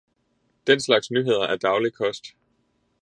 Den slags nyheder er daglig kost.